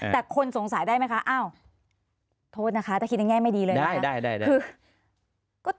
แต่คนสงสัยได้ไหมคะอ้าวโทษนะคะถ้าคิดในแง่ไม่ดีเลยนะ